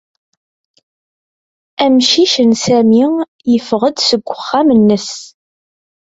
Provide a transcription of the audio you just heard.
Amcic n Sami yeffeɣ-d seg uxxam-nnes.